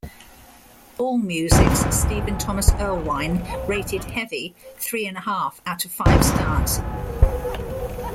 Allmusic's Stephen Thomas Erlewine rated "Heavy" three-and-a-half out of five stars.